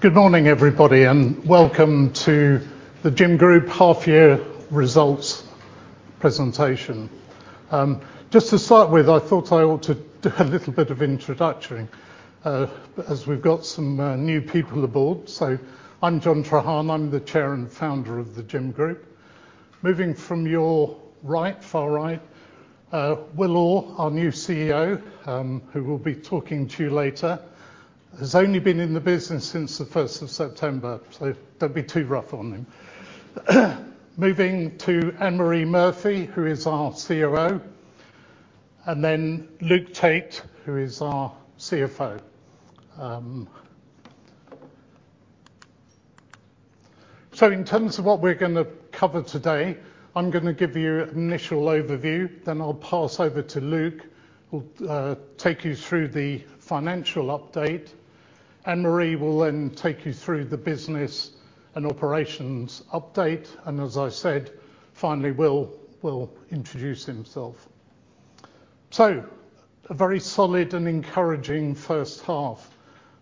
Good morning, everybody, and welcome to the Gym Group half year results presentation. Just to start with, I thought I ought to do a little bit of introduction, as we've got some new people aboard. So I'm John Treharne. I'm the Chair and founder of the Gym Group. Moving from your right, far right, Will Orr, our new CEO, who will be talking to you later, has only been in the business since the first of September, so don't be too rough on him. Moving to Ann-Marie Murphy, who is our COO, and then Luke Tait, who is our CFO. So in terms of what we're gonna cover today, I'm gonna give you an initial overview, then I'll pass over to Luke, who'll take you through the financial update. Ann-Marie will then take you through the business and operations update, and as I said, finally, Will will introduce himself. So a very solid and encouraging first half,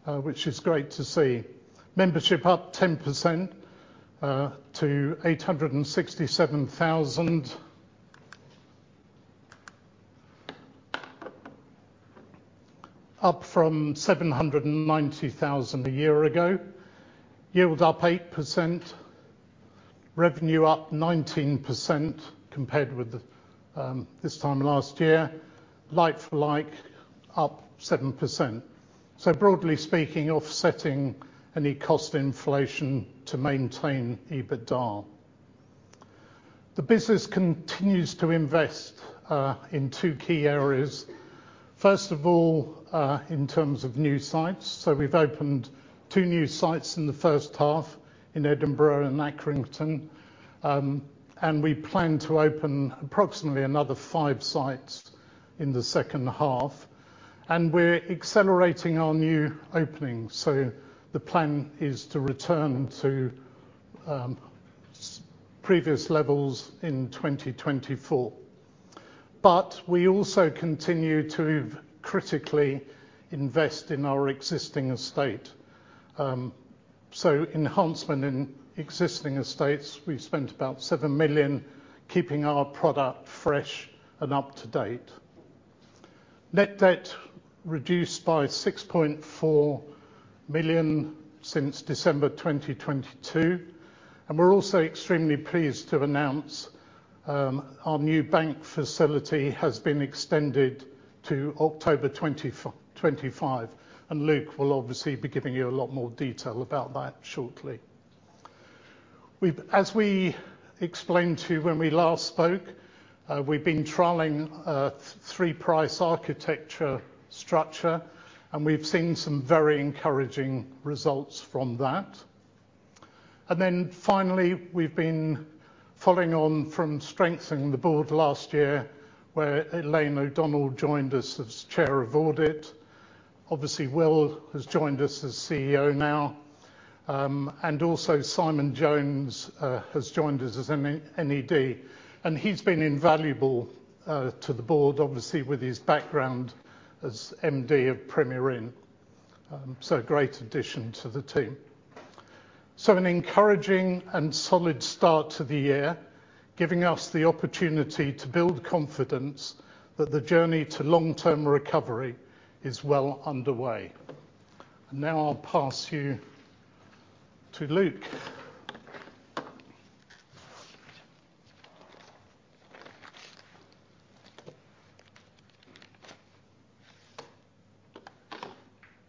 which is great to see. Membership up 10% to 867,000. Up from 790,000 a year ago. Yield up 8%, revenue up 19% compared with the this time last year. Like-for-like, up 7%. So broadly speaking, offsetting any cost inflation to maintain EBITDA. The business continues to invest in two key areas. First of all, in terms of new sites. So we've opened two new sites in the first half in Edinburgh and Accrington, and we plan to open approximately another five sites in the second half, and we're accelerating our new openings, so the plan is to return to previous levels in 2024. But we also continue to critically invest in our existing estate. So enhancement in existing estates, we've spent about 7 million, keeping our product fresh and up to date. Net debt reduced by 6.4 million since December 2022, and we're also extremely pleased to announce our new bank facility has been extended to October 2025, and Luke will obviously be giving you a lot more detail about that shortly. As we explained to you when we last spoke, we've been trialing a three-tier price architecture structure, and we've seen some very encouraging results from that. And then finally, we've been following on from strengthening the board last year, where Elaine O'Donnell joined us as Chair of Audit. Obviously, Will has joined us as CEO now. And also Simon Jones has joined us as an NED, and he's been invaluable to the board, obviously, with his background as MD of Premier Inn. So a great addition to the team. So an encouraging and solid start to the year, giving us the opportunity to build confidence that the journey to long-term recovery is well underway. And now I'll pass you to Luke.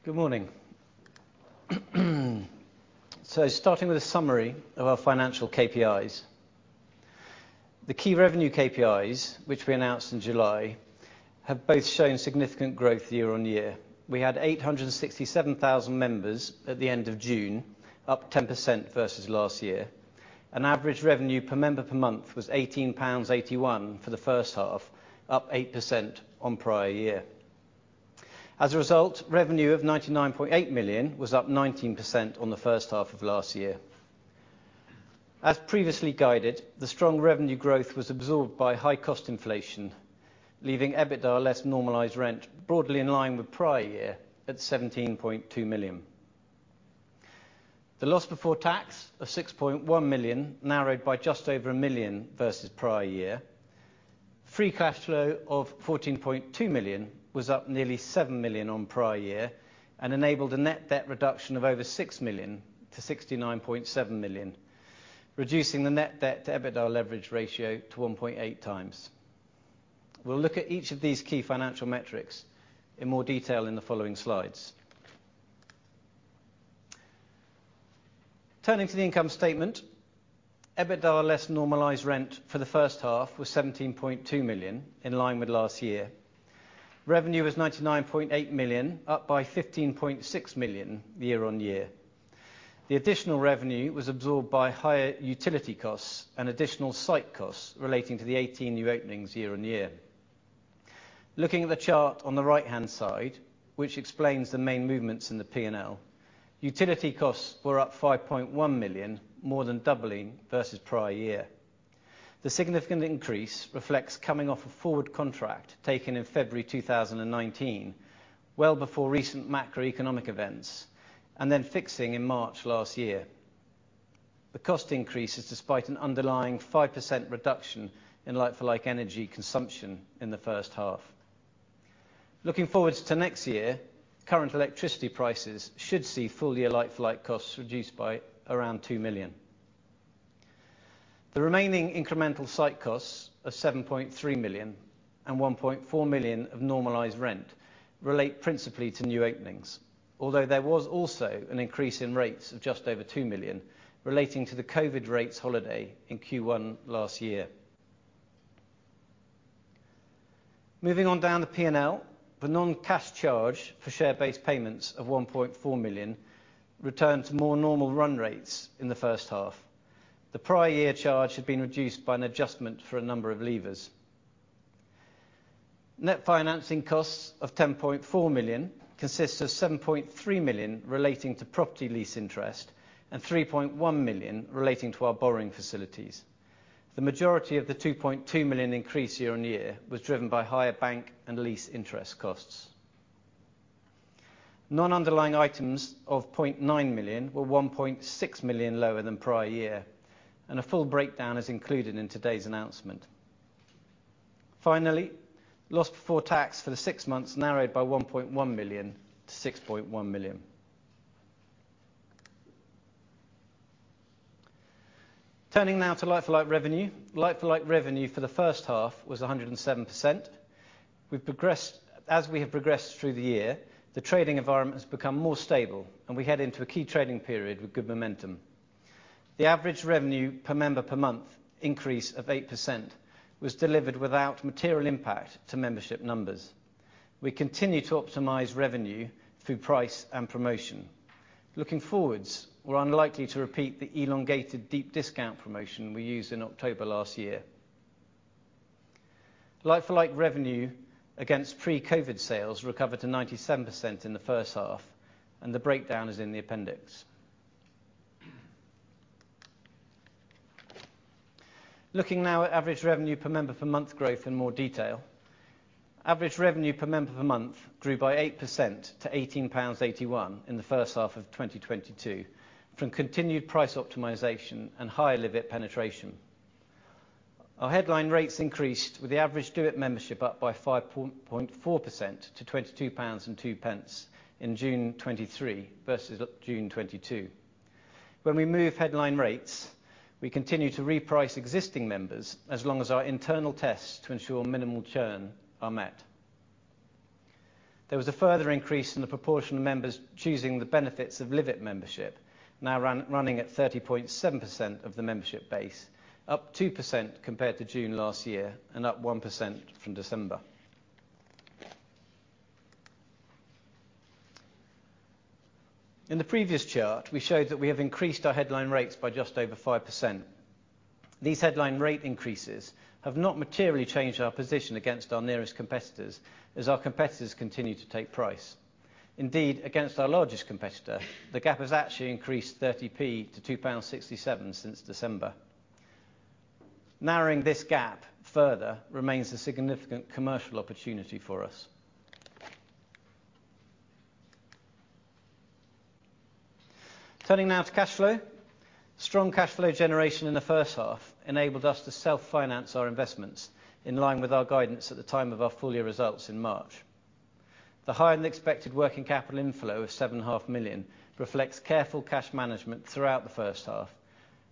Good morning. Starting with a summary of our financial KPIs. The key revenue KPIs, which we announced in July, have both shown significant growth year-on-year. We had 867,000 members at the end of June, up 10% versus last year, and average revenue per member per month was GBP 18.81 for the first half, up 8% on prior year. As a result, revenue of 99.8 million was up 19% on the first half of last year. As previously guided, the strong revenue growth was absorbed by high cost inflation, leaving EBITDA less normalized rent broadly in line with prior year at 17.2 million. The loss before tax of 6.1 million, narrowed by just over 1 million versus prior year. Free cash flow of 14.2 million was up nearly 7 million on prior year and enabled a net debt reduction of over 6 million to 69.7 million, reducing the net debt to EBITDA leverage ratio to 1.8x. We'll look at each of these key financial metrics in more detail in the following slides. Turning to the income statement. EBITDA less normalized rent for the first half was 17.2 million, in line with last year. Revenue was 99.8 million, up by 15.6 million year-on-year. The additional revenue was absorbed by higher utility costs and additional site costs relating to the 18 new openings year-on-year. Looking at the chart on the right-hand side, which explains the main movements in the P&L, utility costs were up 5.1 million, more than doubling versus prior year. The significant increase reflects coming off a forward contract taken in February 2019, well before recent macroeconomic events, and then fixing in March last year. The cost increase is despite an underlying 5% reduction in like-for-like energy consumption in the first half. Looking forward to next year, current electricity prices should see full year like-for-like costs reduced by around 2 million. The remaining incremental site costs of 7.3 million and 1.4 million of normalized rent relate principally to new openings, although there was also an increase in rates of just over 2 million relating to the COVID rates holiday in Q1 last year. Moving on down the P&L, the non-cash charge for share-based payments of 1.4 million returned to more normal run rates in the first half. The prior year charge had been reduced by an adjustment for a number of leavers. Net financing costs of 10.4 million consists of 7.3 million relating to property lease interest and 3.1 million relating to our borrowing facilities. The majority of the 2.2 million increase year on year was driven by higher bank and lease interest costs. Non-underlying items of 0.9 million were 1.6 million lower than prior year, and a full breakdown is included in today's announcement. Finally, loss before tax for the six months narrowed by 1.1 million to 6.1 million. Turning now to like-for-like revenue. Like-for-like revenue for the first half was 107%. As we have progressed through the year, the trading environment has become more stable, and we head into a key trading period with good momentum. The average revenue per member per month increase of 8% was delivered without material impact to membership numbers. We continue to optimize revenue through price and promotion. Looking forward, we're unlikely to repeat the elongated deep discount promotion we used in October last year. Like-for-like revenue against pre-COVID sales recovered to 97% in the first half, and the breakdown is in the appendix. Looking now at average revenue per member per month growth in more detail. Average revenue per member per month grew by 8% to 18.81 pounds in the first half of 2022, from continued price optimization and higher LIVE IT penetration. Our headline rates increased, with the average DO IT membership up by 5.4% to 22.02 pounds in June 2023 versus June 2022. When we move headline rates, we continue to reprice existing members as long as our internal tests to ensure minimal churn are met. There was a further increase in the proportion of members choosing the benefits of LIVE IT membership, now running at 30.7% of the membership base, up 2% compared to June last year and up 1% from December. In the previous chart, we showed that we have increased our headline rates by just over 5%. These headline rate increases have not materially changed our position against our nearest competitors, as our competitors continue to take price. Indeed, against our largest competitor, the gap has actually increased from 0.30 to 2.67 pounds since December. Narrowing this gap further remains a significant commercial opportunity for us. Turning now to cash flow. Strong cash flow generation in the first half enabled us to self-finance our investments in line with our guidance at the time of our full year results in March. The higher-than-expected working capital inflow of 7.5 million reflects careful cash management throughout the first half,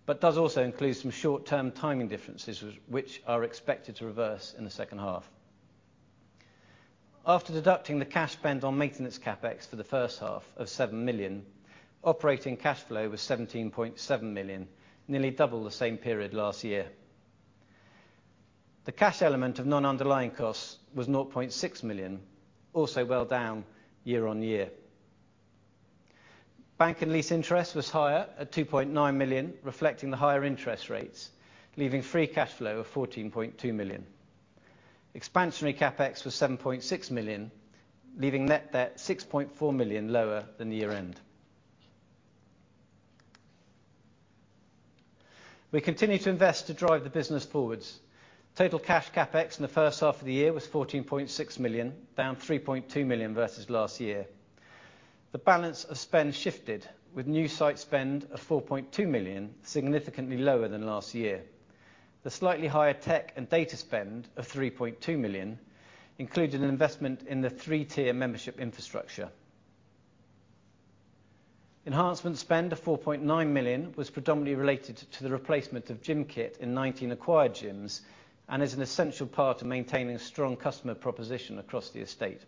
but does also include some short-term timing differences, which are expected to reverse in the second half. After deducting the cash spent on Maintenance CapEx for the first half of 7 million, operating cash flow was 17.7 million, nearly double the same period last year. The cash element of non-underlying costs was 0.6 million, also well down year on year. Bank and lease interest was higher at 2.9 million, reflecting the higher interest rates, leaving free cash flow of 14.2 million. Expansionary CapEx was 7.6 million, leaving net debt 6.4 million lower than the year end. We continue to invest to drive the business forward. Total cash CapEx in the first half of the year was 14.6 million, down 3.2 million versus last year. The balance of spend shifted, with new site spend of 4.2 million, significantly lower than last year. The slightly higher tech and data spend of 3.2 million included an investment in the three-tier membership infrastructure. Enhancement spend of 4.9 million was predominantly related to the replacement of gym kit in 19 acquired gyms and is an essential part of maintaining a strong customer proposition across the estate.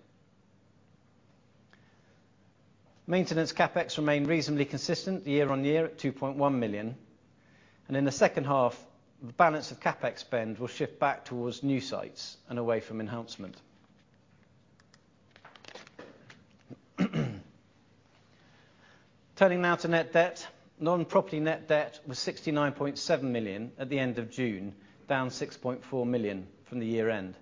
Maintenance CapEx remained reasonably consistent year-on-year at 2.1 million, and in the second half, the balance of CapEx spend will shift back towards new sites and away from enhancement. Turning now to net debt. Non-property net debt was 69.7 million at the end of June, down 6.4 million from the year end.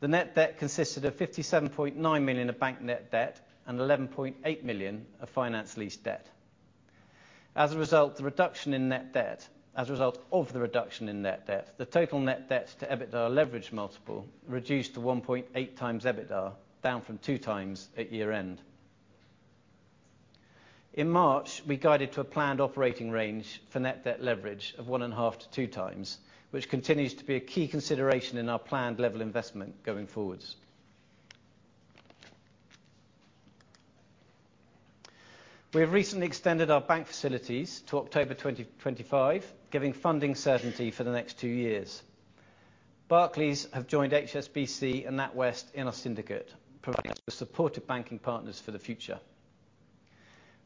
The net debt consisted of 57.9 million of bank net debt and 11.8 million of finance lease debt. As a result, the reduction in net debt, as a result of the reduction in net debt, the total net debt to EBITDA leverage multiple reduced to 1.8x EBITDA, down from 2x at year-end. In March, we guided to a planned operating range for net debt leverage of 1.5-2x, which continues to be a key consideration in our planned level investment going forward. We have recently extended our bank facilities to October 2025, giving funding certainty for the next two years. Barclays have joined HSBC and NatWest in our syndicate, providing the support of banking partners for the future.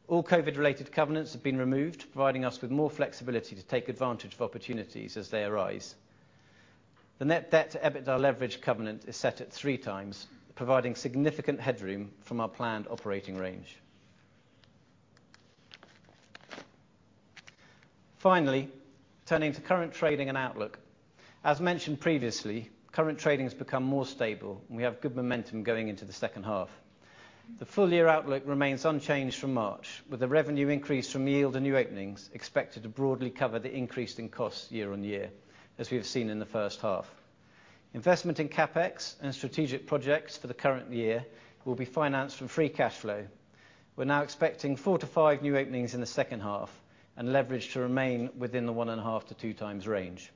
All COVID-related covenants have been removed, providing us with more flexibility to take advantage of opportunities as they arise. The net debt to EBITDA leverage covenant is set at 3x, providing significant headroom from our planned operating range. Finally, turning to current trading and outlook. As mentioned previously, current trading has become more stable, and we have good momentum going into the second half. The full-year outlook remains unchanged from March, with the revenue increase from yield and new openings expected to broadly cover the increase in costs year on year, as we have seen in the first half. Investment in CapEx and strategic projects for the current year will be financed from free cash flow. We're now expecting 4-5 new openings in the second half and leverage to remain within the 1.5-2x range.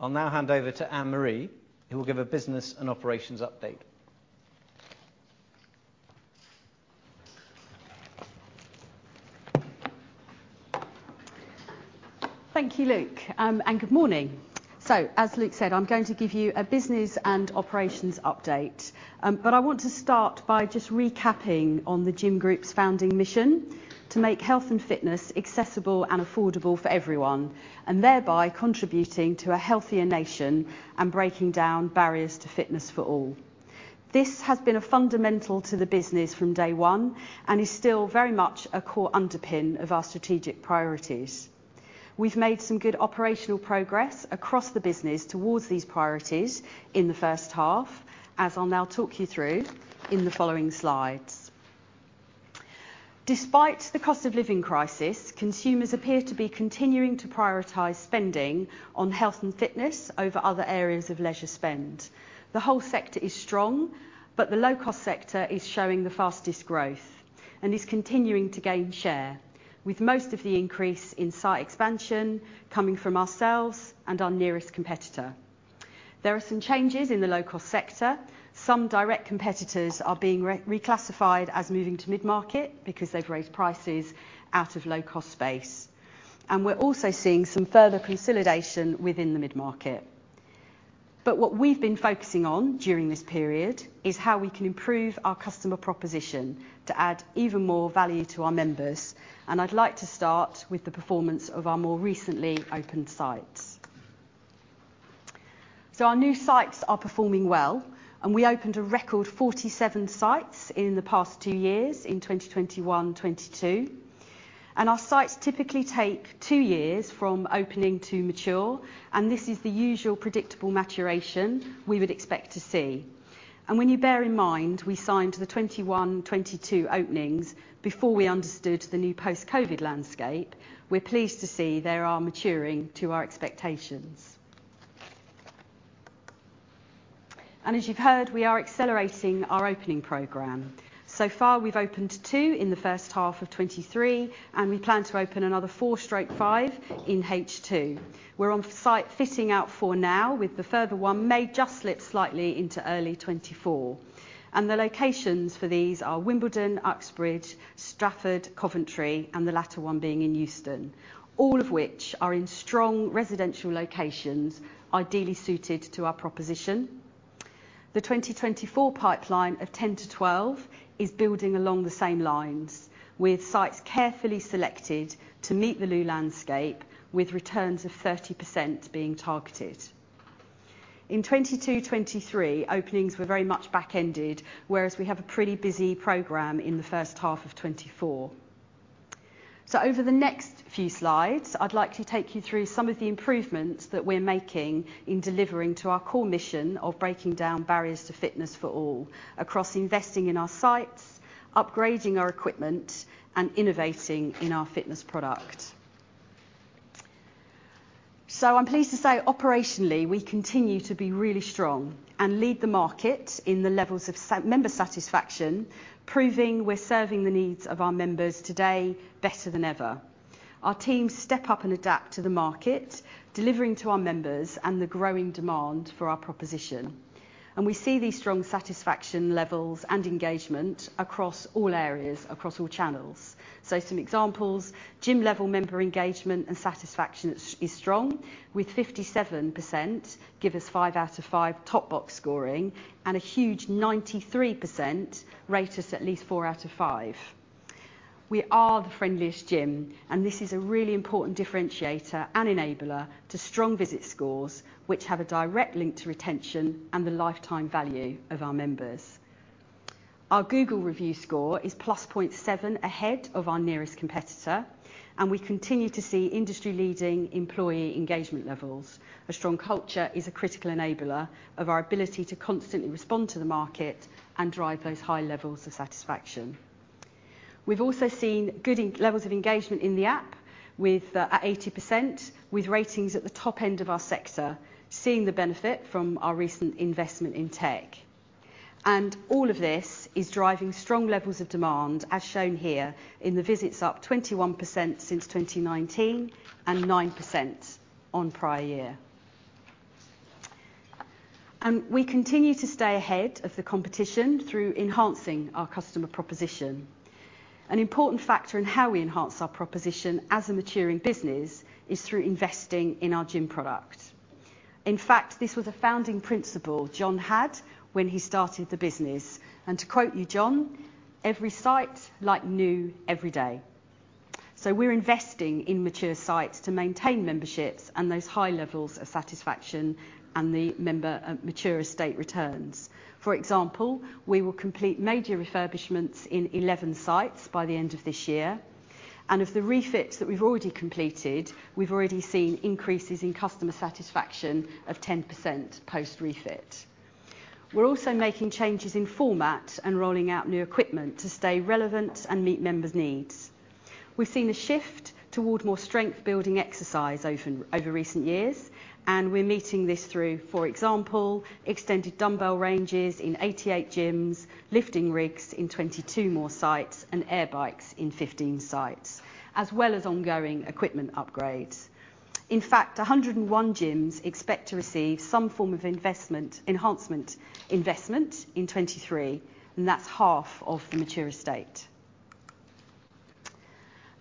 I'll now hand over to Ann-Marie, who will give a business and operations update. Thank you, Luke, and good morning. As Luke said, I'm going to give you a business and operations update. But I want to start by just recapping on The Gym Group's founding mission: To make health and fitness accessible and affordable for everyone, and thereby contributing to a healthier nation and breaking down barriers to fitness for all. This has been a fundamental to the business from day one and is still very much a core underpin of our strategic priorities. We've made some good operational progress across the business towards these priorities in the first half, as I'll now talk you through in the following slides. Despite the cost of living crisis, consumers appear to be continuing to prioritize spending on health and fitness over other areas of leisure spend. The whole sector is strong, but the low-cost sector is showing the fastest growth and is continuing to gain share, with most of the increase in site expansion coming from ourselves and our nearest competitor. There are some changes in the low-cost sector. Some direct competitors are being reclassified as moving to mid-market because they've raised prices out of low-cost space, and we're also seeing some further consolidation within the mid-market. But what we've been focusing on during this period is how we can improve our customer proposition to add even more value to our members, and I'd like to start with the performance of our more recently opened sites. So our new sites are performing well, and we opened a record 47 sites in the past two years, in 2021 and 2022. Our sites typically take 2 years from opening to mature, and this is the usual predictable maturation we would expect to see. When you bear in mind, we signed the 2021 and 2022 openings before we understood the new post-COVID landscape, we're pleased to see they are maturing to our expectations. As you've heard, we are accelerating our opening program. So far, we've opened 2 in the first half of 2023, and we plan to open another four to five in H2. We're on site fitting out 4 now, with the further one may just slip slightly into early 2024. The locations for these are Wimbledon, Uxbridge, Stratford, Coventry, and the latter one being in Euston, all of which are in strong residential locations, ideally suited to our proposition. The 2024 pipeline of 10-12 is building along the same lines, with sites carefully selected to meet the new landscape, with returns of 30% being targeted. In 2022, 2023, openings were very much back-ended, whereas we have a pretty busy program in the first half of 2024. So over the next few slides, I'd like to take you through some of the improvements that we're making in delivering to our core mission of breaking down barriers to fitness for all, across investing in our sites, upgrading our equipment, and innovating in our fitness product. So I'm pleased to say operationally, we continue to be really strong and lead the market in the levels of member satisfaction, proving we're serving the needs of our members today better than ever. Our teams step up and adapt to the market, delivering to our members and the growing demand for our proposition. We see these strong satisfaction levels and engagement across all areas, across all channels. Some examples, gym-level member engagement and satisfaction is, is strong, with 57% give us five out of five top box scoring and a huge 93% rate us at least four out of five. We are the friendliest gym, and this is a really important differentiator and enabler to strong visit scores, which have a direct link to retention and the lifetime value of our members. Our Google review score is +0.7 ahead of our nearest competitor, and we continue to see industry-leading employee engagement levels. A strong culture is a critical enabler of our ability to constantly respond to the market and drive those high levels of satisfaction. We've also seen good levels of engagement in the app, with at 80%, with ratings at the top end of our sector, seeing the benefit from our recent investment in tech. All of this is driving strong levels of demand, as shown here, in the visits up 21% since 2019 and 9% on prior year. We continue to stay ahead of the competition through enhancing our customer proposition. An important factor in how we enhance our proposition as a maturing business is through investing in our gym product. In fact, this was a founding principle John had when he started the business, and to quote you, John, "Every site like new every day." We're investing in mature sites to maintain memberships and those high levels of satisfaction and the member mature estate returns. For example, we will complete major refurbishments in 11 sites by the end of this year, and of the refits that we've already completed, we've already seen increases in customer satisfaction of 10% post-refit. We're also making changes in format and rolling out new equipment to stay relevant and meet members' needs. We've seen a shift toward more strength-building exercise over recent years, and we're meeting this through, for example, extended dumbbell ranges in 88 gyms, lifting rigs in 22 more sites, and air bikes in 15 sites, as well as ongoing equipment upgrades. In fact, 101 gyms expect to receive some form of investment, enhancement investment in 2023, and that's half of the mature estate.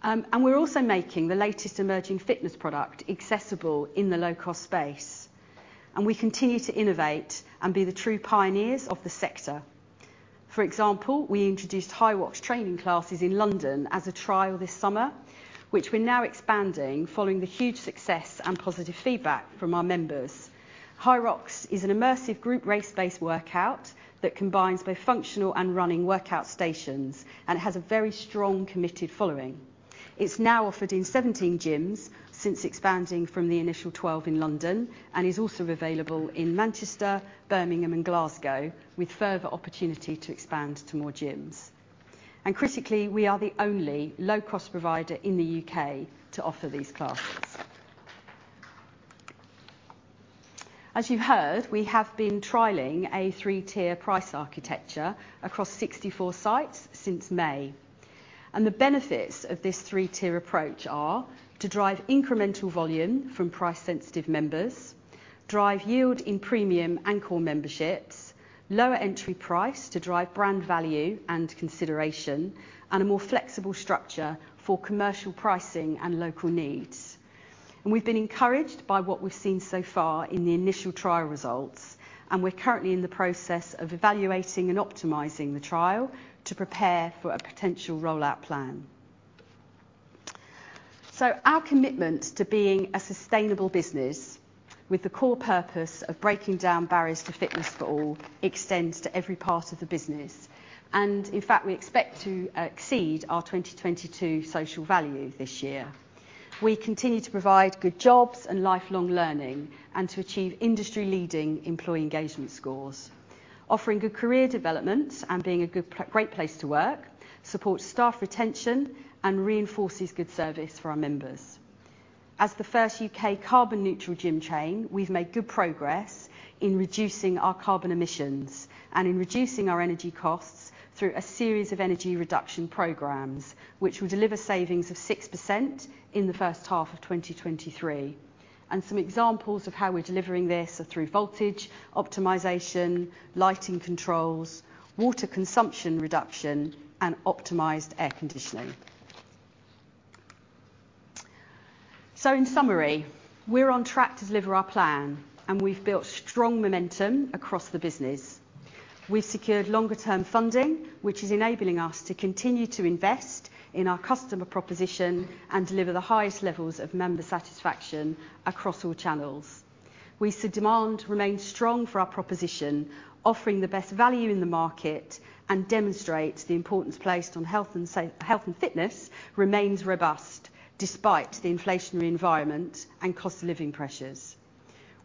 And we're also making the latest emerging fitness product accessible in the low-cost space, and we continue to innovate and be the true pioneers of the sector. For example, we introduced HYROX training classes in London as a trial this summer, which we're now expanding following the huge success and positive feedback from our members. HYROX is an immersive group race-based workout that combines both functional and running workout stations and has a very strong, committed following. It's now offered in 17 gyms since expanding from the initial 12 in London and is also available in Manchester, Birmingham, and Glasgow, with further opportunity to expand to more gyms. And critically, we are the only low-cost provider in the UK to offer these classes. As you've heard, we have been trialing a three-tier price architecture across 64 sites since May, and the benefits of this three-tier approach are: to drive incremental volume from price-sensitive members, drive yield in premium and core memberships, lower entry price to drive brand value and consideration, and a more flexible structure for commercial pricing and local needs. We've been encouraged by what we've seen so far in the initial trial results, and we're currently in the process of evaluating and optimizing the trial to prepare for a potential rollout plan. Our commitment to being a sustainable business with the core purpose of breaking down barriers to fitness for all extends to every part of the business, and in fact, we expect to exceed our 2022 social value this year. We continue to provide good jobs and lifelong learning and to achieve industry-leading employee engagement scores. Offering good career development and being a good great place to work supports staff retention and reinforces good service for our members. As the first UK carbon neutral gym chain, we've made good progress in reducing our carbon emissions and in reducing our energy costs through a series of energy reduction programs, which will deliver savings of 6% in the first half of 2023. And some examples of how we're delivering this are through voltage optimization, lighting controls, water consumption reduction, and optimized air conditioning. So in summary, we're on track to deliver our plan, and we've built strong momentum across the business. We've secured longer-term funding, which is enabling us to continue to invest in our customer proposition and deliver the highest levels of member satisfaction across all channels. We see demand remains strong for our proposition, offering the best value in the market, and demonstrate the importance placed on health and fitness remains robust despite the inflationary environment and cost of living pressures.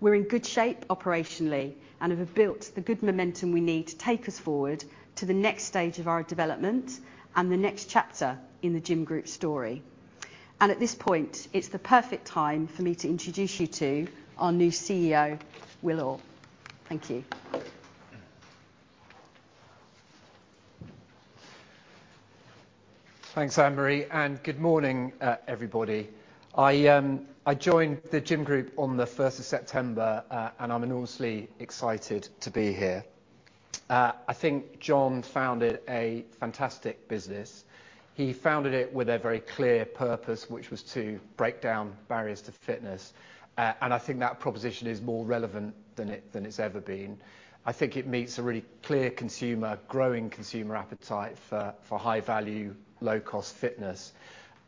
We're in good shape operationally and have built the good momentum we need to take us forward to the next stage of our development and the next chapter in the Gym Group story. At this point, it's the perfect time for me to introduce you to our new CEO, Will Orr. Thank you. Thanks, Ann-Marie, and good morning, everybody. I joined the Gym Group on the first of September, and I'm enormously excited to be here. I think John founded a fantastic business. He founded it with a very clear purpose, which was to break down barriers to fitness, and I think that proposition is more relevant than it, than it's ever been. I think it meets a really clear consumer, growing consumer appetite for, for high-value, low-cost fitness,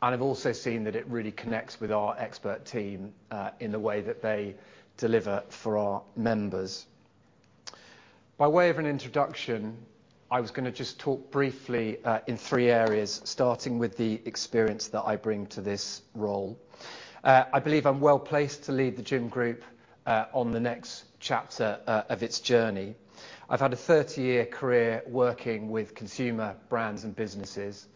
and I've also seen that it really connects with our expert team, in the way that they deliver for our members. By way of an introduction, I was gonna just talk briefly, in three areas, starting with the experience that I bring to this role. I believe I'm well-placed to lead the Gym Group, on the next chapter, of its journey. I've had a 30-year career working with consumer brands and businesses.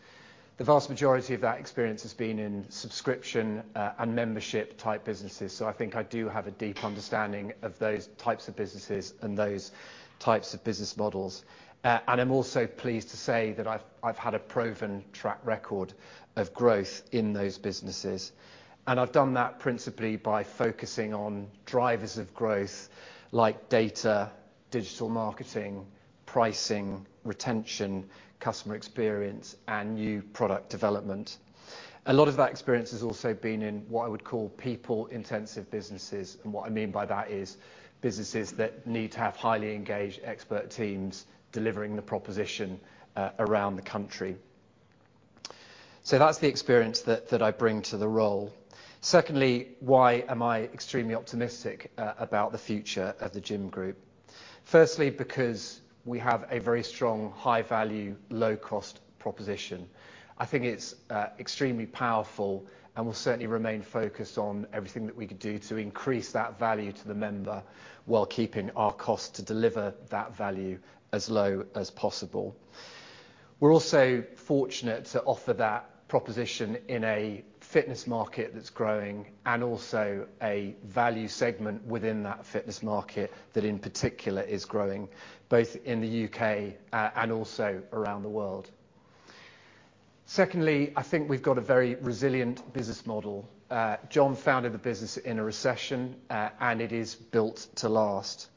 The vast majority of that experience has been in subscription and membership-type businesses, so I think I do have a deep understanding of those types of businesses and those types of business models. And I'm also pleased to say that I've, I've had a proven track record of growth in those businesses, and I've done that principally by focusing on drivers of growth, like data, digital marketing, pricing, retention, customer experience, and new product development. A lot of that experience has also been in what I would call people-intensive businesses, and what I mean by that is businesses that need to have highly engaged expert teams delivering the proposition around the country. So that's the experience that, that I bring to the role. Secondly, why am I extremely optimistic about the future of the Gym Group? Firstly, because we have a very strong, high-value, low-cost proposition. I think it's extremely powerful and will certainly remain focused on everything that we could do to increase that value to the member, while keeping our costs to deliver that value as low as possible. We're also fortunate to offer that proposition in a fitness market that's growing and also a value segment within that fitness market that, in particular, is growing both in the UK and also around the world. Secondly, I think we've got a very resilient business model. John founded the business in a recession, and it is built to last.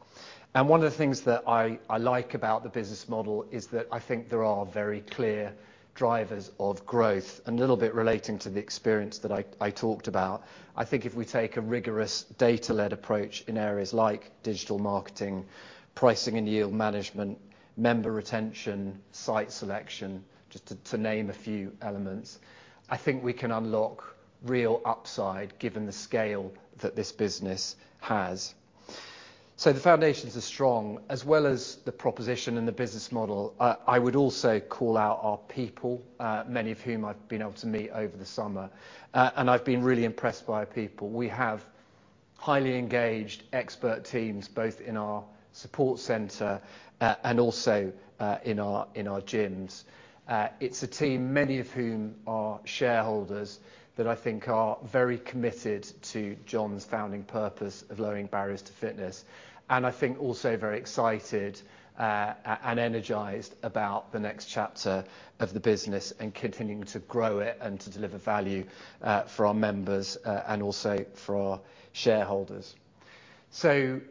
One of the things that I like about the business model is that I think there are very clear drivers of growth. A little bit relating to the experience that I talked about, I think if we take a rigorous data-led approach in areas like digital marketing, pricing and yield management, member retention, site selection, just to name a few elements, I think we can unlock real upside, given the scale that this business has. So the foundations are strong, as well as the proposition and the business model. I would also call out our people, many of whom I've been able to meet over the summer, and I've been really impressed by our people. We have highly engaged expert teams, both in our support center, and also in our gyms. It's a team, many of whom are shareholders, that I think are very committed to John's founding purpose of lowering barriers to fitness, and I think also very excited and energized about the next chapter of the business and continuing to grow it and to deliver value for our members and also for our shareholders. So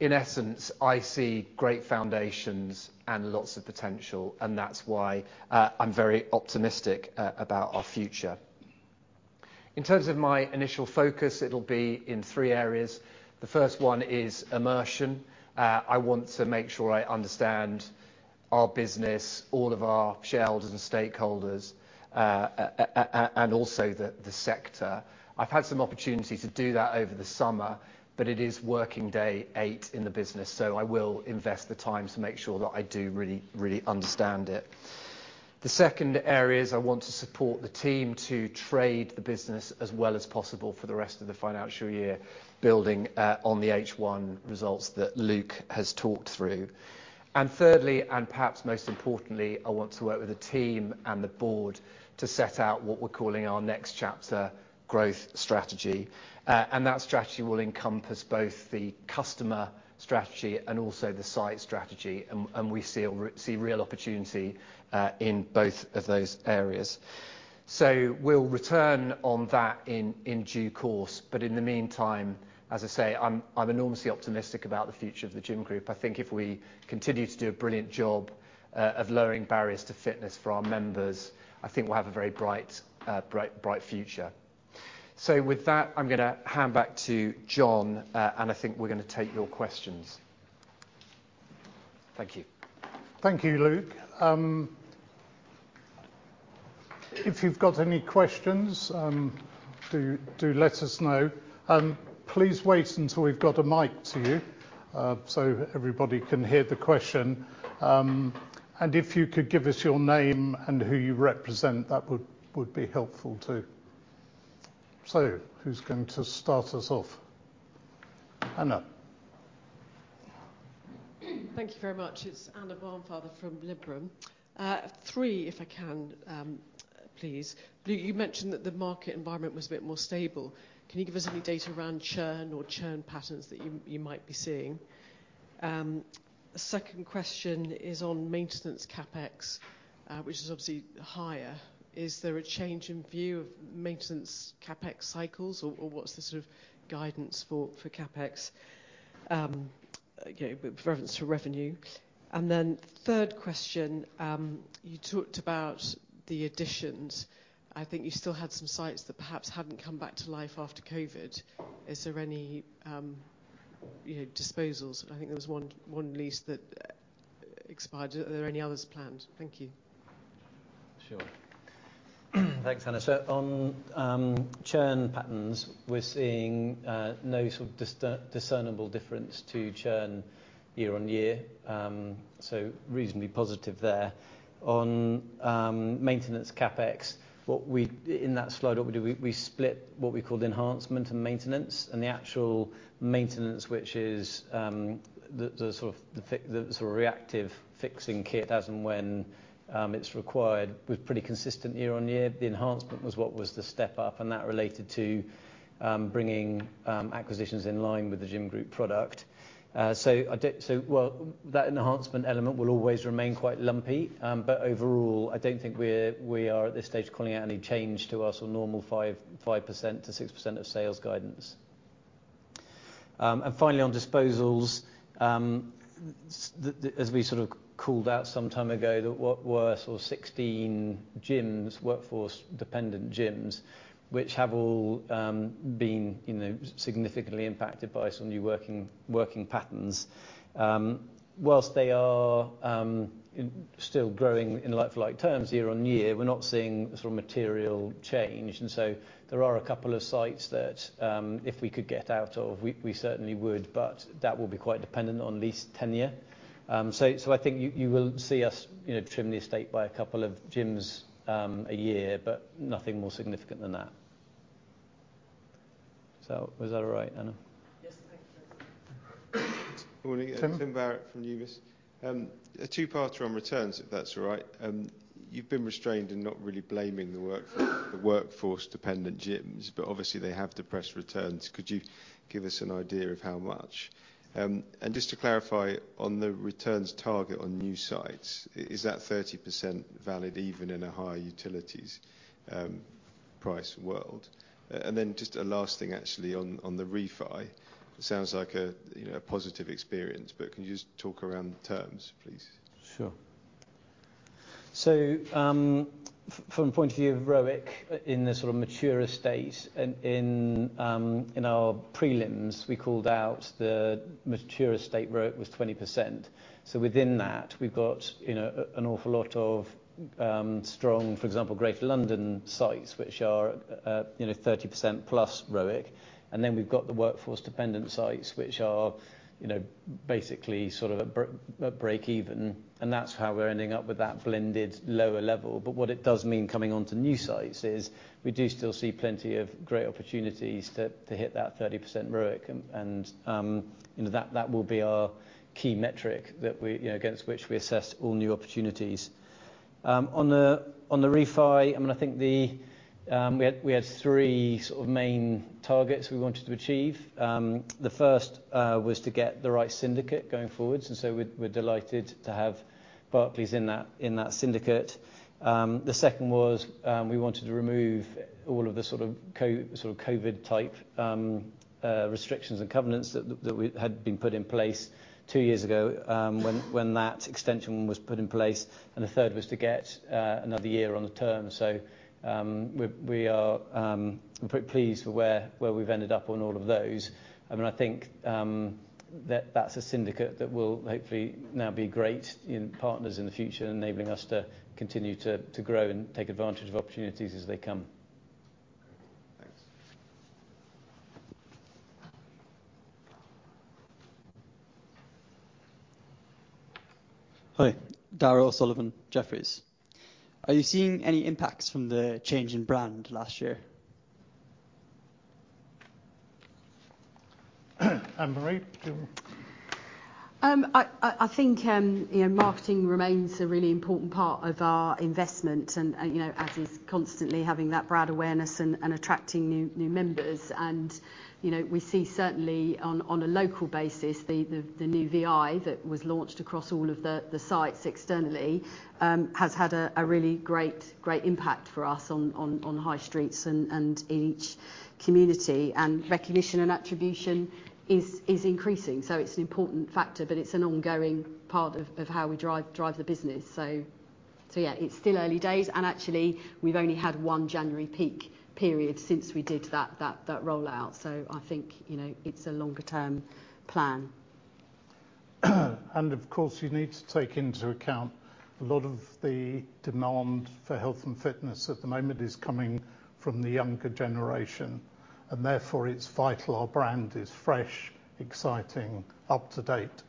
in essence, I see great foundations and lots of potential, and that's why I'm very optimistic about our future. In terms of my initial focus, it'll be in three areas. The first one is immersion. I want to make sure I understand our business, all of our shareholders and stakeholders and also the sector. I've had some opportunity to do that over the summer, but it is working day eight in the business, so I will invest the time to make sure that I do really, really understand it. The second area is I want to support the team to trade the business as well as possible for the rest of the financial year, building on the H1 results that Luke has talked through. And thirdly, and perhaps most importantly, I want to work with the team and the board to set out what we're calling our next chapter growth strategy. And that strategy will encompass both the customer strategy and also the site strategy, and we see real opportunity in both of those areas. So we'll return on that in due course, but in the meantime, as I say, I'm enormously optimistic about the future of The Gym Group. I think if we continue to do a brilliant job of lowering barriers to fitness for our members, I think we'll have a very bright, bright, bright future. So with that, I'm gonna hand back to John, and I think we're gonna take your questions. Thank you. Thank you, Luke. If you've got any questions, do let us know. Please wait until we've got a mic to you, so everybody can hear the question. If you could give us your name and who you represent, that would be helpful too. So who's going to start us off? Anna. Thank you very much. It's Anna Barnfather from Liberum. Three, if I can, please. Luke, you mentioned that the market environment was a bit more stable. Can you give us any data around churn or churn patterns that you might be seeing? The second question is on Maintenance CapEx, which is obviously higher. Is there a change in view of Maintenance CapEx cycles, or what's the sort of guidance for CapEx, you know, with reference to revenue? And then third question, you talked about the additions. I think you still had some sites that perhaps hadn't come back to life after COVID. Is there any, you know, disposals? I think there was one lease that expired. Are there any others planned? Thank you. Sure. Thanks, Anna. So on churn patterns, we're seeing no sort of discernible difference to churn year-on-year. So reasonably positive there. On maintenance CapEx, what we in that slide, what we do, we split what we call the enhancement and maintenance, and the actual maintenance, which is the sort of reactive fixing kit as and when it's required, was pretty consistent year-on-year. The enhancement was what was the step up, and that related to bringing acquisitions in line with the Gym Group product. So, well, that enhancement element will always remain quite lumpy. But overall, I don't think we are, at this stage, calling out any change to our sort of normal 5.5%-6% of sales guidance. And finally, on disposals, the, as we sort of called out some time ago, that what were sort of 16 gyms, workforce-dependent gyms, which have all, you know, been significantly impacted by some new working patterns. While they are still growing in like-for-like terms, year-on-year, we're not seeing sort of material change, and so there are a couple of sites that, if we could get out of, we certainly would, but that will be quite dependent on lease tenure. So I think you will see us, you know, trim the estate by a couple of gyms a year, but nothing more significant than that. So was that all right, Anna? Yes, thank you. Morning. Tim. Tim Barrett from Numis. A two-parter on returns, if that's all right. You've been restrained in not really blaming the workforce-dependent gyms, but obviously, they have depressed returns. Could you give us an idea of how much? And just to clarify, on the returns target on new sites, is that 30% valid even in a higher utilities price world? And then just a last thing, actually, on the refi. It sounds like a positive experience, but can you just talk around terms, please? Sure. So, from the point of view of ROIC, in the sort of mature estate, and in our prelims, we called out the mature estate ROIC was 20%. So within that, we've got, you know, a, an awful lot of strong, for example, Greater London sites, which are, you know, 30% plus ROIC. And then we've got the workforce-dependent sites, which are, you know, basically sort of a break-even, and that's how we're ending up with that blended lower level. But what it does mean, coming onto new sites, is we do still see plenty of great opportunities to hit that 30% ROIC, and, you know, that will be our key metric that we, you know, against which we assess all new opportunities. On the refi, I mean, I think we had three sort of main targets we wanted to achieve. The first was to get the right syndicate going forward, and so we're delighted to have Barclays in that syndicate. The second was, we wanted to remove all of the sort of COVID-type restrictions and covenants that we had been put in place two years ago, when that extension was put in place. And the third was to get another year on the term. So, we are pretty pleased with where we've ended up on all of those. I mean, I think that's a syndicate that will hopefully now be great, you know, partners in the future, enabling us to continue to grow and take advantage of opportunities as they come. Thanks. Hi. Daryl O'Sullivan, Jefferies. Are you seeing any impacts from the change in brand last year? Ann-Marie, do you want. I think, you know, marketing remains a really important part of our investment, and you know, as is constantly having that brand awareness and attracting new members. And, you know, we see certainly on a local basis, the new VI that was launched across all of the sites externally has had a really great impact for us on high streets and in each community. And recognition and attribution is increasing, so it's an important factor, but it's an ongoing part of how we drive the business. So yeah, it's still early days, and actually, we've only had one January peak period since we did that rollout. So I think, you know, it's a longer term plan. Of course, you need to take into account a lot of the demand for health and fitness at the moment is coming from the younger generation, and therefore, it's vital our brand is fresh, exciting, up-to-date.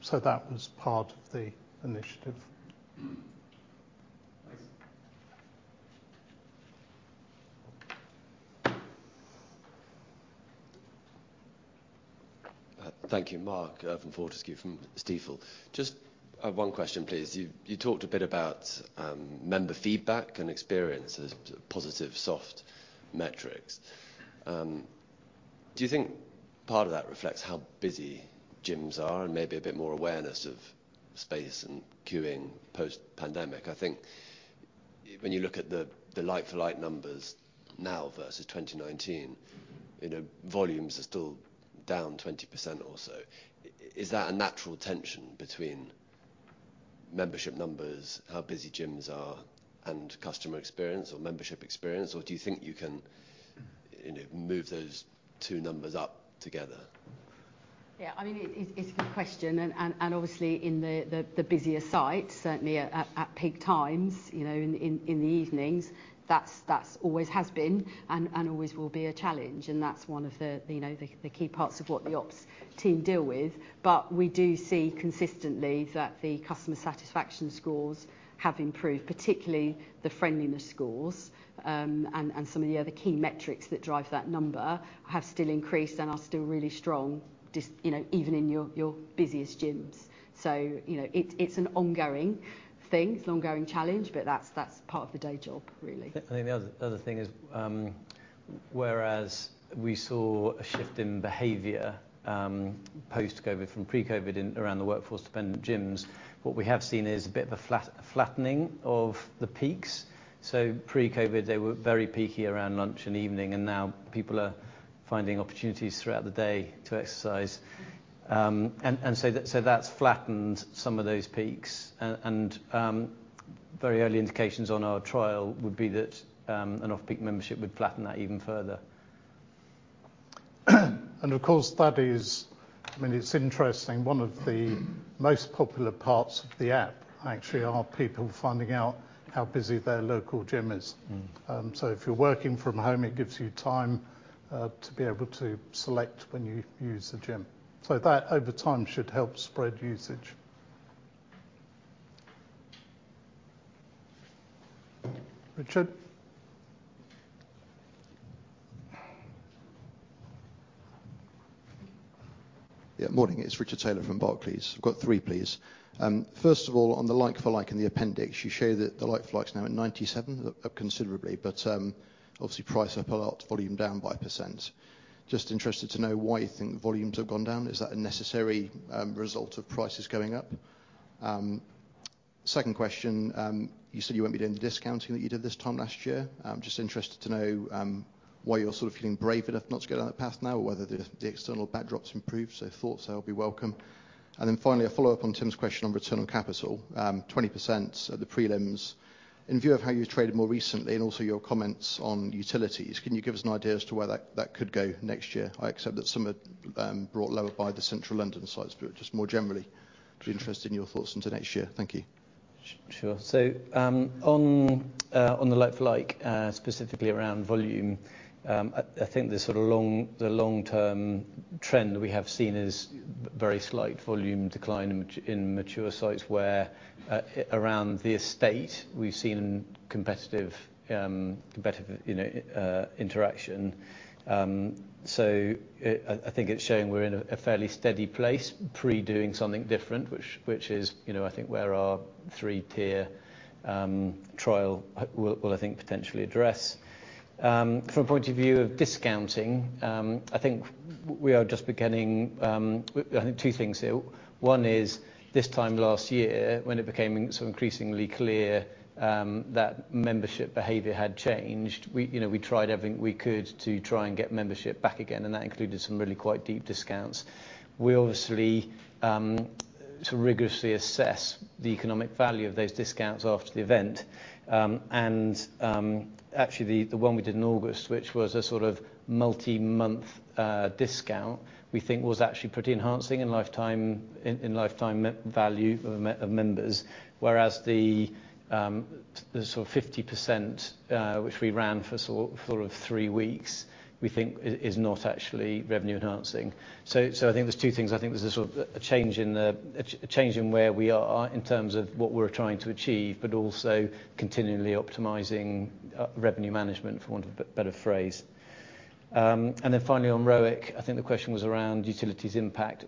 So that was part of the initiative. Thanks. Thank you. Mark Fortescue, from Stifel. Just one question, please. You talked a bit about member feedback and experience as positive soft metrics. Do you think part of that reflects how busy gyms are and maybe a bit more awareness of space and queuing post-pandemic? I think when you look at the like-for-like numbers now versus 2019, you know, volumes are still down 20% or so. Is that a natural tension between membership numbers, how busy gyms are, and customer experience or membership experience, or do you think you can, you know, move those two numbers up together? Yeah, I mean, it's a good question, and obviously, in the busier sites, certainly at peak times, you know, in the evenings, that's always has been and always will be a challenge. And that's one of the, you know, the key parts of what the ops team deal with. But we do see consistently that the customer satisfaction scores have improved, particularly the friendliness scores. And some of the other key metrics that drive that number have still increased and are still really strong, just, you know, even in your busiest gyms. So, you know, it's an ongoing thing. It's an ongoing challenge, but that's part of the day job, really. I think the other, other thing is, whereas we saw a shift in behavior, post-COVID from pre-COVID in, around the workforce-dependent gyms, what we have seen is a bit of a flattening of the peaks. So pre-COVID, they were very peaky around lunch and evening, and now people are finding opportunities throughout the day to exercise. And very early indications on our trial would be that an off-peak membership would flatten that even further. Of course, that is, I mean, it's interesting, one of the most popular parts of the app actually are people finding out how busy their local gym is. Mm. So if you're working from home, it gives you time to be able to select when you use the gym. So that, over time, should help spread usage. Richard? Yeah. Morning, it's Richard Taylor from Barclays. I've got three, please. First of all, on the like-for-like in the appendix, you show that the like-for-like is now at 97, up considerably, but obviously price up a lot, volume down by %. Just interested to know why you think volumes have gone down. Is that a necessary result of prices going up? Second question, you said you won't be doing the discounting that you did this time last year. I'm just interested to know why you're sort of feeling brave enough not to go down that path now, or whether the external backdrop's improved. So thoughts there will be welcome. And then finally, a follow-up on Tim's question on return on capital, 20% at the prelims. In view of how you've traded more recently and also your comments on utilities, can you give us an idea as to where that, that could go next year? I accept that some are brought lower by the central London sites, but just more generally, I'd be interested in your thoughts into next year. Thank you. Sure. So, on the like-for-like, specifically around volume, I think the long-term trend we have seen is very slight volume decline in mature sites, where around the estate, we've seen competitive, you know, interaction. So I think it's showing we're in a fairly steady place, pre doing something different, which is, you know, I think where our three-tier trial will, I think, potentially address. From a point of view of discounting, I think we are just beginning. I think two things here. One is, this time last year, when it became so increasingly clear that membership behavior had changed, we, you know, we tried everything we could to try and get membership back again, and that included some really quite deep discounts. We obviously to rigorously assess the economic value of those discounts after the event, and actually, the one we did in August, which was a sort of multi-month discount, we think was actually pretty enhancing in lifetime value of members. Whereas the sort of 50%, which we ran for sort of three weeks, we think is not actually revenue enhancing. So, I think there's two things. I think there's a sort of a change in a change in where we are in terms of what we're trying to achieve, but also continually optimizing revenue management, for want of a better phrase. And then finally, on ROIC, I think the question was around utilities impact.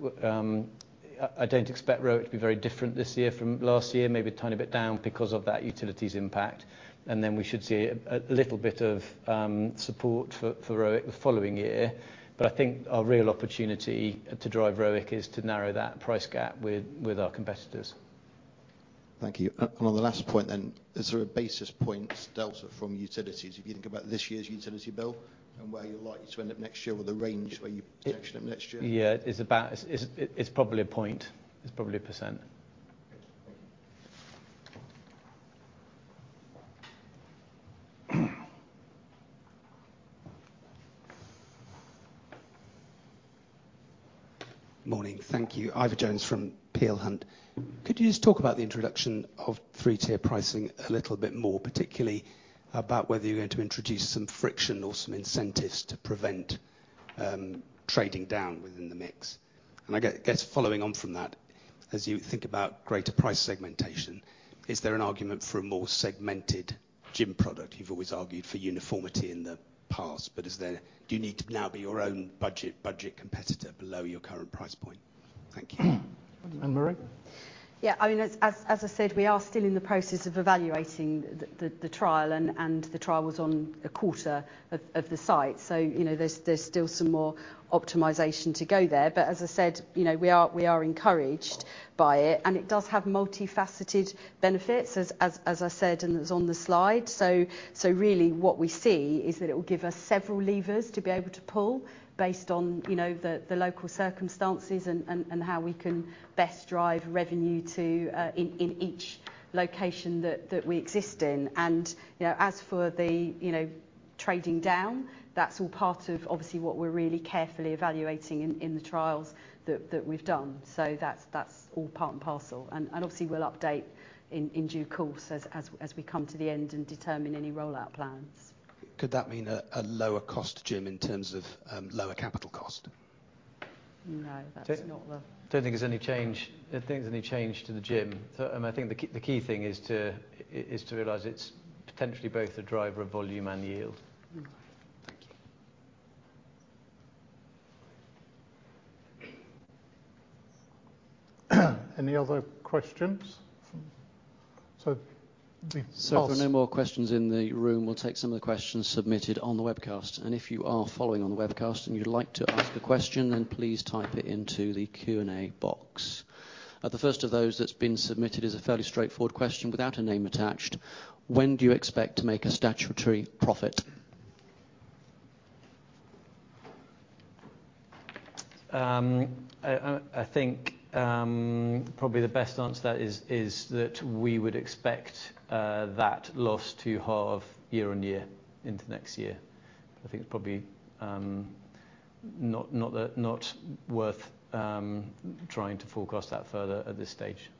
I don't expect ROIC to be very different this year from last year, maybe a tiny bit down because of that utilities impact. And then, we should see a little bit of support for ROIC the following year. But I think our real opportunity to drive ROIC is to narrow that price gap with our competitors. Thank you. And on the last point then, is there a basis point delta from utilities, if you think about this year's utility bill and where you're likely to end up next year, or the range where you- projection of next year? Yeah, it's about, It's probably a point. It's probably a percent. Morning. Thank you. Ivor Jones from Peel Hunt. Could you just talk about the introduction of three-tier pricing a little bit more, particularly about whether you're going to introduce some friction or some incentives to prevent trading down within the mix? And I get, I guess, following on from that, as you think about greater price segmentation, is there an argument for a more segmented gym product? You've always argued for uniformity in the past, but is there, do you need to now be your own budget, budget competitor below your current price point? Thank you. And Marie? Yeah, I mean, as I said, we are still in the process of evaluating the trial, and the trial was on a quarter of the site. So, you know, there's still some more optimization to go there. But as I said, you know, we are encouraged by it, and it does have multifaceted benefits, as I said, and as on the slide. So really, what we see is that it will give us several levers to be able to pull based on, you know, the local circumstances and how we can best drive revenue in each location that we exist in. And, you know, as for the trading down, that's all part of obviously what we're really carefully evaluating in the trials that we've done. So that's all part and parcel, and obviously, we'll update in due course as we come to the end and determine any rollout plans. Could that mean a lower cost gym in terms of lower capital cost? No, that's not the- Don't think there's any change. Don't think there's any change to the gym. So, I think the key thing is to realize it's potentially both a driver of volume and yield. Mm-hmm. Thank you. Any other questions? So the last- If there are no more questions in the room, we'll take some of the questions submitted on the webcast. If you are following on the webcast, and you'd like to ask a question, then please type it into the Q&A box. The first of those that's been submitted is a fairly straightforward question without a name attached: When do you expect to make a statutory profit? I think, probably the best answer to that is, is that we would expect, that loss to halve year on year into next year. I think it's probably, not, not the, not worth, trying to forecast that further at this stage.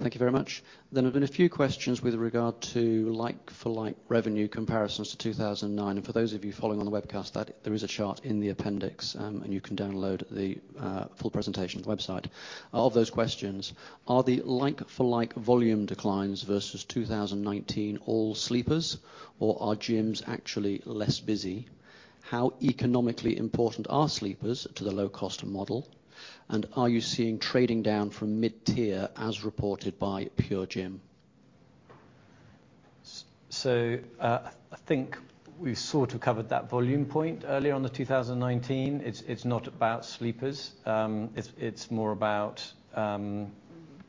Thank you very much. Then there've been a few questions with regard to like-for-like revenue comparisons to 2009. And for those of you following on the webcast, that there is a chart in the appendix, and you can download the full presentation website. Of those questions, are the like-for-like volume declines versus 2019 all sleepers, or are gyms actually less busy? How economically important are sleepers to the low-cost model? And are you seeing trading down from mid-tier, as reported by PureGym? So, I think we sort of covered that volume point earlier on the 2019. It's not about sleepers. It's more about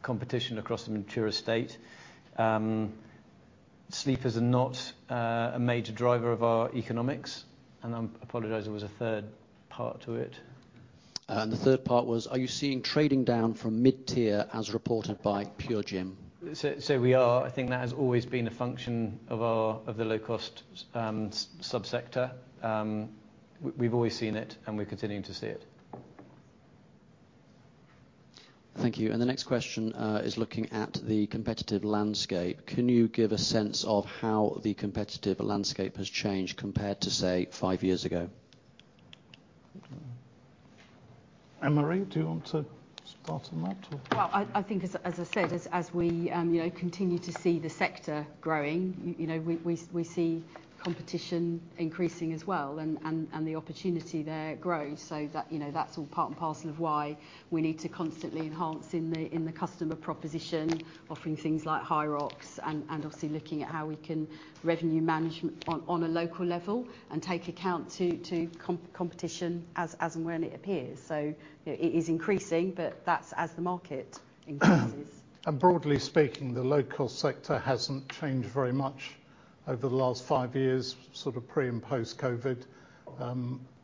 competition across the mature estate. Sleepers are not a major driver of our economics, and I apologize, there was a third part to it. The third part was, are you seeing trading down from mid-tier, as reported by PureGym? So we are. I think that has always been a function of our, of the low-cost subsector. We've always seen it, and we're continuing to see it. Thank you. The next question is looking at the competitive landscape. Can you give a sense of how the competitive landscape has changed compared to, say, five years ago? Ann-Marie, do you want to start on that or? Well, I think as I said, as we, you know, continue to see the sector growing, you know, we see competition increasing as well, and the opportunity there grows. So that, you know, that's all part and parcel of why we need to constantly enhance in the customer proposition, offering things like HYROX and obviously looking at how we can revenue management on a local level, and take account to competition as and when it appears. So, you know, it is increasing, but that's as the market increases. Broadly speaking, the low-cost sector hasn't changed very much over the last five years, sort of pre- and post-COVID.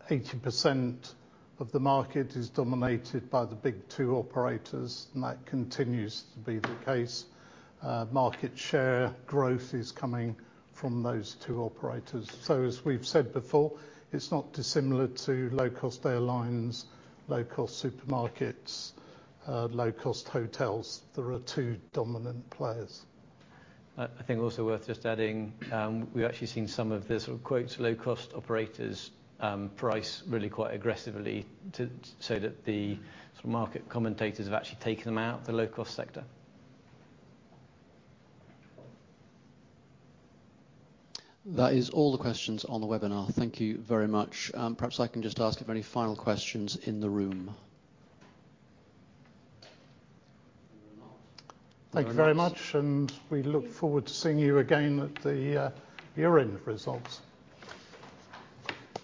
Eighty percent of the market is dominated by the big two operators, and that continues to be the case. Market share growth is coming from those two operators. So as we've said before, it's not dissimilar to low-cost airlines, low-cost supermarkets, low-cost hotels. There are two dominant players. I think also worth just adding, we've actually seen some of this quote, "low-cost operators," price really quite aggressively so that the sort of market commentators have actually taken them out the low-cost sector. That is all the questions on the webinar. Thank you very much. Perhaps I can just ask if any final questions in the room? Thank you very much. Very much. We look forward to seeing you again at the year-end results.